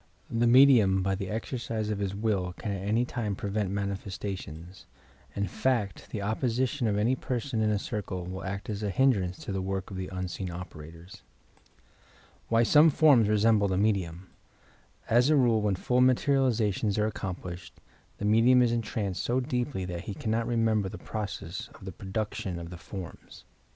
... The medium by the exercise of his will can at any time prevent mautfestations, — in fact the opposition of any lierson in a circle will act as a hindrance to the work of the unseen operators. '' WHY SOME FORMS RESHUBLE THE MEDIUM As a rule, when full materializations are accomplished the medium is entranced so deeply that he cannot re member the process of the production of the forms.